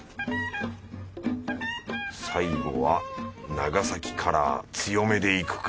最後は長崎カラー強めでいくか